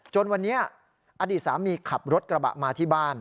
จนวันนี้อดีตสามีขับรถกระบะมาที่บ้าน